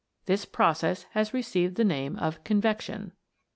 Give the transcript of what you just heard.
This process has received the name of convection.